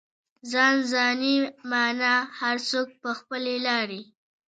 ځان ځاني مانا هر څوک په خپلې لارې.